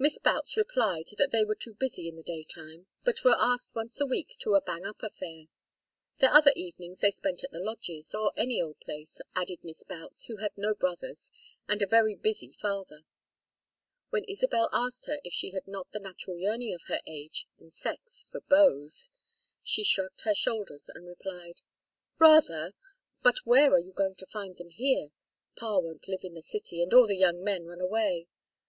Miss Boutts replied that they were too busy in the daytime, but were asked once a week to a "bang up" affair. Their other evenings they spent at the lodges "or any old place," added Miss Boutts, who had no brothers, and a very busy father. When Isabel asked her if she had not the natural yearning of her age and sex for beaux, she shrugged her shoulders and replied: "Rather. But where are you going to find them here? Pa won't live in the city, and all the young men run away.